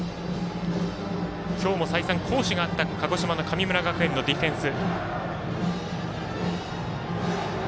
今日も再三、好守があった鹿児島の神村学園のディフェンス。